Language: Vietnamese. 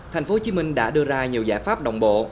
thành phố hồ chí minh đã đưa ra nhiều giải pháp đồng bộ